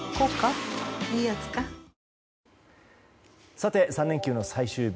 さて、３連休の最終日。